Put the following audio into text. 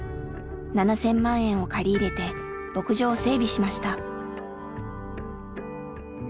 ７，０００万円を借り入れて牧場を整備しました。